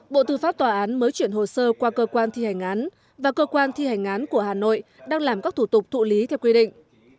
bộ tư pháp tòa án mới chuyển hồ sơ qua cơ quan thi hành án và cơ quan thi hành án của hà nội đang làm các thủ tục thụ lý theo quy định